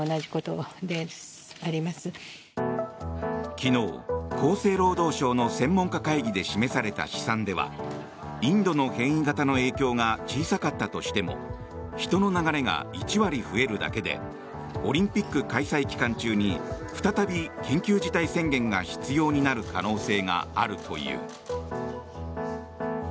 昨日、厚生労働省の専門家会議で示された試算ではインドの変異型の影響が小さかったとしても人の流れが１割増えるだけでオリンピック開催期間中に再び緊急事態宣言が必要になる可能性があるという。